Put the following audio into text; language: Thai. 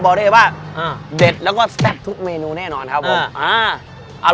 บอกได้ป่ะอ่าเด็ดแล้วก็ทุกเมนูแน่นอนครับผมอ่า